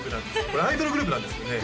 これアイドルグループなんですよね？